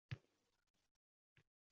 Mehnatsevar qilib tarbiyalashimiz kerak.